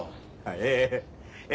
ええええ。